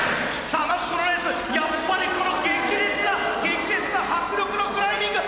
さあまずこのレースやっぱりこの激烈な激烈な迫力のクライミング！